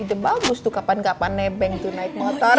ide bagus tuh kapan kapan nebek tuh naik motor